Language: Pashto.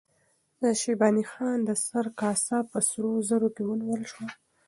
د شیباني خان د سر کاسه په سرو زرو کې ونیول شوه.